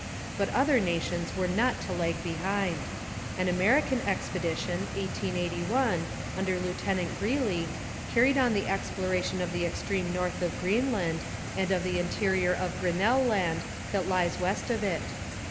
But other nations were not to lag behind. An American expedition (1881) under Lieutenant Greeley, carried on the exploration of the extreme north of Greenland and of the interior of Grinnell Land that lies west of it.